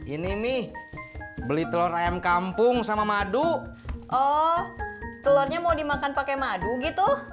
ini nih beli telur ayam kampung sama madu oh telurnya mau dimakan pakai madu gitu